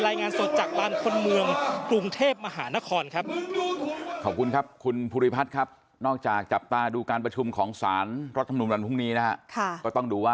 รายงานสดจากลานคนเมืองกรุงเทพมหานครครับ